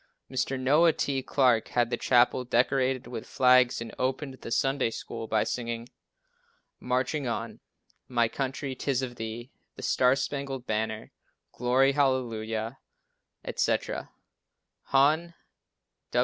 Mr. Noah T. Clarke had the chapel decorated with flags and opened the Sunday School by singing, "Marching On," "My Country, 'tis of Thee," "The Star Spangled Banner," "Glory, Hallelujah," etc. Hon.